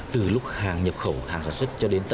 từ lúc hàng nhập khẩu